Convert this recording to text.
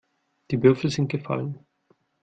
Die Würfel sind gefallen.